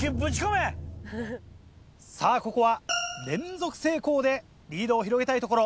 さぁここは連続成功でリードを広げたいところ。